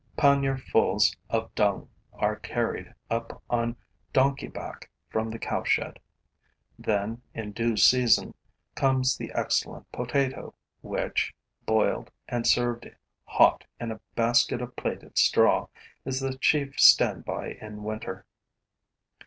Pannierfuls of dung are carried up on donkey back from the cowshed. Then, in due season, comes the excellent potato, which, boiled and served hot in a basket of plaited straw, is the chief stand by in winter.